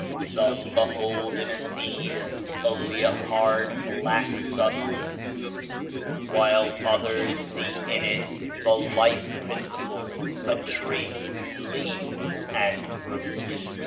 "Some behold in a seed only a hard black sub stance, while others see in it the life principle, a tree, leaves and fruit.